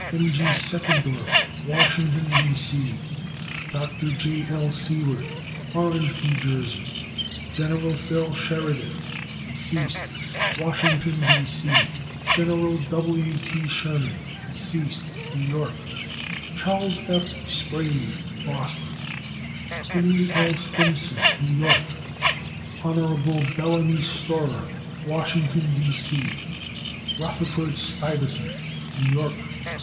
M. G. Seckendorf, Washington, D. C. Dr. J. L. Seward, Orange, N. J. Gen. Phil. Sheridan,* Washington, D. C. Gen. W. T. Sherman,* New York. Chas. F. Sprague, Boston, Mass. Henry L. Stimson, New York. Hon. Bellamy Storer, Washington, D. C. Rutherfurd Stuyvesant, New York.